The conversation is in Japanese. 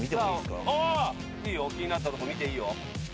ああいいよ気になったとこ見ていいよ。